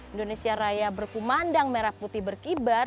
indonesia raya berkumandang merah putih berkibar